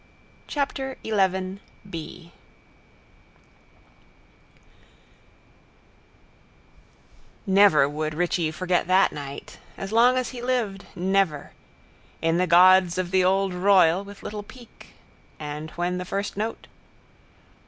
Curious types. Never would Richie forget that night. As long as he lived: never. In the gods of the old Royal with little Peake. And when the first note.